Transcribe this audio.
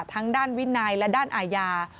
ทั้งด้านวินัยและด้านอาญา